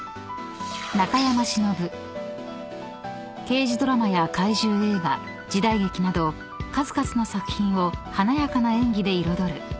［刑事ドラマや怪獣映画時代劇など数々の作品を華やかな演技で彩る］